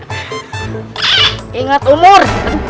aku akan menjatuhkan